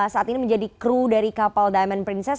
saat ini menjadi kru dari kapal diamond princess